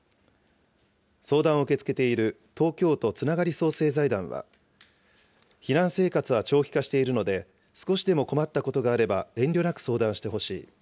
相談を受け付けている東京都つながり創生財団は、避難生活は長期化しているので、少しでも困ったことがあれば遠慮なく相談してほしい。